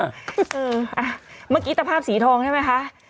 อืมอ่าเมื่อกี้แต่ภาพสีทองใช่ไหมคะ